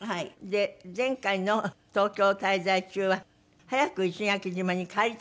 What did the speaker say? で前回の東京滞在中は早く石垣島に帰りたくなった。